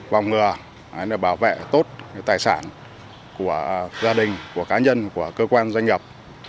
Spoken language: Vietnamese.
bỏng ngừa bảo vệ tốt tài sản của gia đình của cá nhân của cơ quan doanh nghiệp